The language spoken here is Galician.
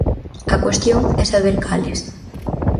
A cuestión é saber cales.